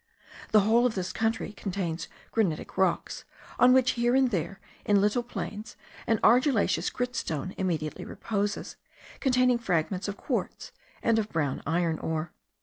The whole of this country contains granitic rocks, on which here and there, in little plains, an argillaceous grit stone immediately reposes, containing fragments of quartz and of brown iron ore.